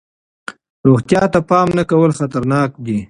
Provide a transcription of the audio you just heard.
روغتیا ته پام نه کول خطرناک دی.